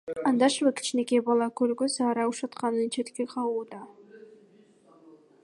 Андашева кичинекей бала көлгө заара ушатканын четке кагууда.